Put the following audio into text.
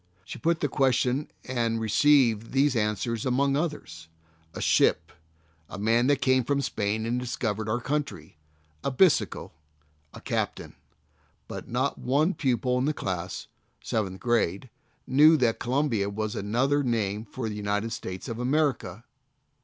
She put the question and received these answers among others : "A ship." "A man that came over from Spain and discovered our country." "A bisikkel." "A captain." Bi;t not one pupil in the class (seventh grade) knew that Columbia was another name for United States of America.